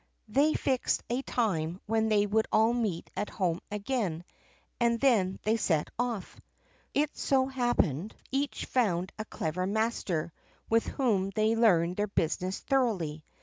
They fixed a time when they would all meet at home again, and then they set off. It so happened that they each found a clever master with whom they learned their business thoroughly.